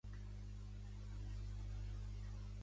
Daniel Brühl és un actor alemany--brasiler nascut a Barcelona.